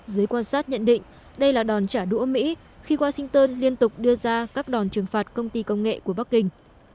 giới quan sát nhận định đây là đòn trả đũa mỹ khi washington liên tục đưa ra các đòn trừng phạt công ty công nghệ của bắc kinh